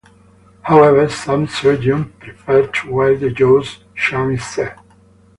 However, some surgeons prefer to wire the jaws shut instead.